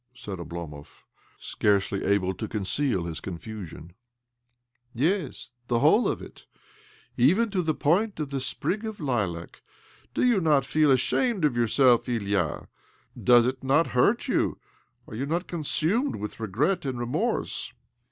said Oblomov, scarcely able to conceal his con fusion. OBLOMOV 237 " Yes, the whole of it— even to the point of the sprig of Hlac, Do you not feel ashamed of yourself, Ilya? Does it not hurt you? Are you not consumed with regret and remorse?